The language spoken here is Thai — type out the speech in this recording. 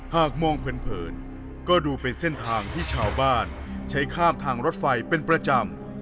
หากมองเผินก็ดูเป็นเส้นทางที่ชาวบ้านใช้ข้ามทางรถไฟเป็นประจำ